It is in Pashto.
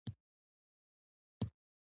د غوسې په وخت کې خپل ځان راتم کړي.